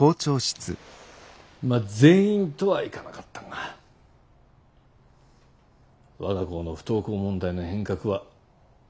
まっ全員とはいかなかったが我が校の不登校問題の変革はこの２学期からだよ。